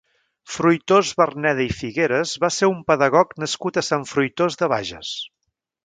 Fruitós Verneda i Figueras va ser un pedagog nascut a Sant Fruitós de Bages.